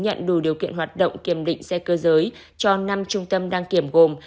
nhận đủ điều kiện hoạt động kiểm định xe cơ giới cho năm trung tâm đăng kiểm gồm